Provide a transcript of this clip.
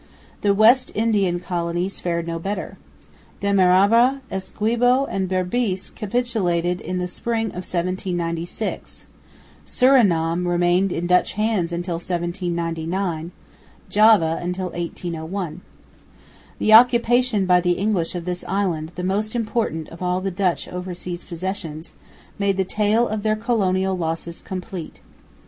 The West Indian Colonies fared no better. Demerara, Essequibo and Berbice capitulated in the spring of 1796; Surinam remained in Dutch hands until 1799; Java until 1801. The occupation by the English of this island, the most important of all the Dutch overseas possessions, made the tale of their colonial losses complete.